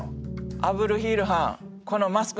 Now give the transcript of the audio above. アブルヒールはんこのマスクの正体